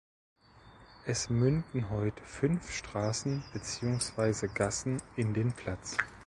Es münden heute fünf Straßen beziehungsweise Gassen in den Platz.